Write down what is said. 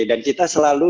dan kita selalu